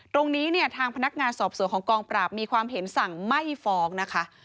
ตรงนี้เนี่ยทางพนักงานสอบสวนของกองปราบมีความเห็นสั่งไม่ฟ้องนะคะ